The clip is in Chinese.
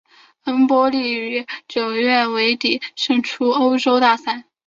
恩波利于九月尾底胜出欧洲大赛。